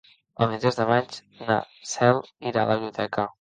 El vint-i-tres de maig na Cel irà a la biblioteca.